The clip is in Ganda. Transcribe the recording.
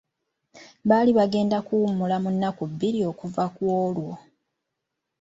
Baali bagenda kuwummula mu nnaku bbiri okuva kw'olwo.